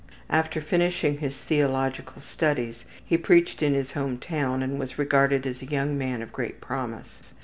After finishing his theological studies, he preached in his home town and was regarded as a young man of great promise.